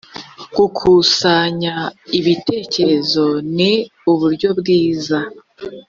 gukusanya ibitekerezo ni uburyo bwiza